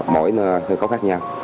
mỗi sân khấu khác nhau